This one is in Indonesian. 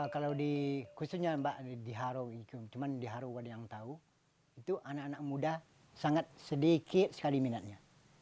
kalau di khususnya mbak diharu cuma diharu buat yang tahu itu anak anak muda sangat sedikit sekali minatnya